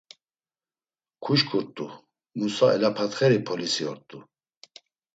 Kuşǩurt̆u, Musa elapatxeri polisi ort̆u.